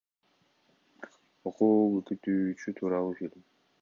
Окуучу — көкүтүүчү тууралуу фильм.